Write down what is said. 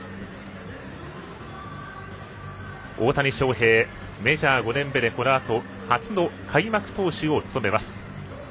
大谷翔平、メジャー５年目でこのあと初の開幕投手を務めます。